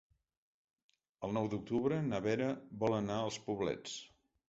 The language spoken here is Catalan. El nou d'octubre na Vera vol anar als Poblets.